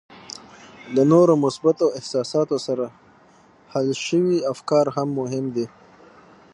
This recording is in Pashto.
له نورو مثبتو احساساتو سره حل شوي افکار هم مهم دي